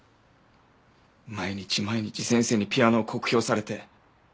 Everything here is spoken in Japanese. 毎日毎日先生にピアノを酷評されて。